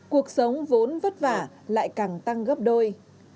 cuộc sống vốn vất vả lại càng tăng gấp đôi